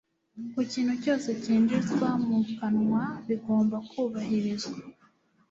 ku kintu cyose cyinjizwa mu kanwa bigomba kubahirizwa